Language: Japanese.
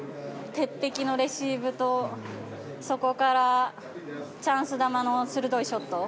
鉄壁のレシーブとそこからのチャンス球の鋭いショット。